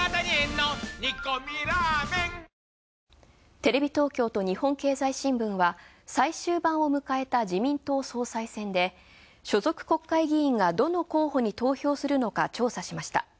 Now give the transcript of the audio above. テレビ東京と日本経済新聞は最終盤を迎えた自民党総裁選で、所属国会議員がどの候補に投票するのか調査しました。